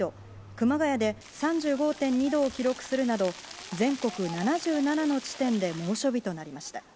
熊谷で３５．２度を記録するなど全国７７の地点で猛暑日となりました。